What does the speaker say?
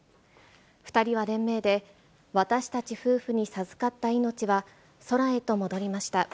２人は連名で、私たち夫婦に授かった命は空へと戻りました。